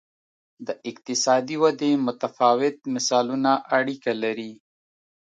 د اقتصادي ودې متفاوت مثالونه اړیکه لري.